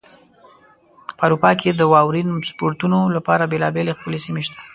په اروپا کې د واورین سپورتونو لپاره بېلابېلې ښکلې سیمې شته.